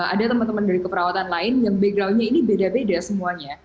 ada teman teman dari keperawatan lain yang backgroundnya ini beda beda semuanya